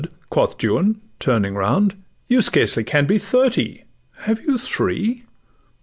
quoth Juan, turning round; 'You scarcely can be thirty: have you three?